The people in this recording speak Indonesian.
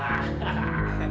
ridah psi brent